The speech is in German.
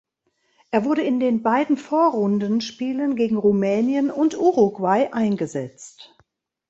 Er wurde in den beiden Vorrundenspielen gegen Rumänien und Uruguay eingesetzt.